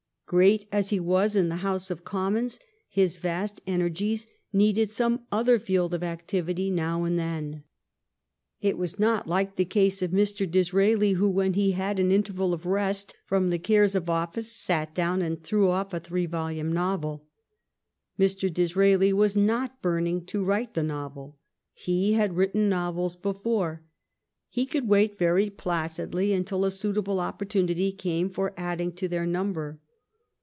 Great as he was in the House of Commons, his vast energies needed some other field of activity now and then. It was not like the case of Mr. Disraeli, who, when he had an interval of rest from the cares of office, sat down and threw off a three volume novel. Mr. Disraeli was not burning to write the novel. He had written novels before. He could wait very placidly until a suitable opportunity came for adding to their number.